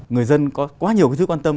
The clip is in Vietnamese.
người dân có quá nhiều thứ quan tâm